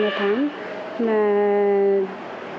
mà tháng sau thì nó bắt hồn